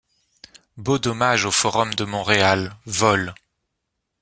Beau Dommage au forum de Montréal, vol.